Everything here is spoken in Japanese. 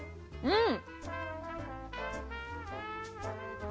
うん！